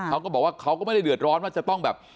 เค้าก็บอกว่าเค้าไม่ได้เหลือร้อนว่าจะต้องแบบ